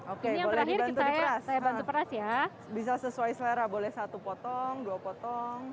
oke ini yang terakhir saya bantu peras ya bisa sesuai selera boleh satu potong dua potong